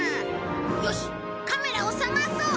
よしカメラを捜そう。